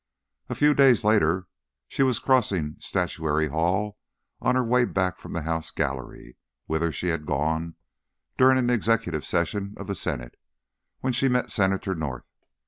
A few days later she was crossing Statuary Hall on her way back from the House Gallery; whither she had gone during an Executive Session of the Senate, when she met Senator North.